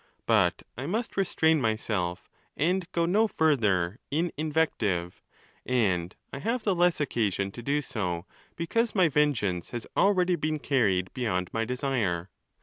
But I must restrain myself, and ON THE LAWS. 449 go no further in invective ; and I have the less occasion to do so, because my vengeance has already been carried beyond my desire.